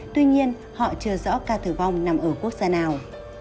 tuy nhiên họ chưa rõ ca tử vong nằm ở quốc gia nào